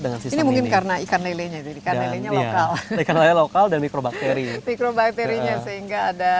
mungkin karena ikan lele jadi karena ini lokal lokal dan mikrobakteri mikrobakteri sehingga ada